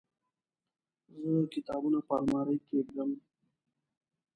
زه کتابونه په المارۍ کې کيږدم.